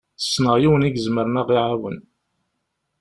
Ssneɣ yiwen i izemren ad ɣ-iɛawen.